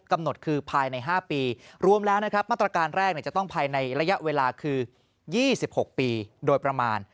กำหนดคือภายใน๕ปีรวมแล้วนะครับมาตรการแรกจะต้องภายในระยะเวลาคือ๒๖ปีโดยประมาณ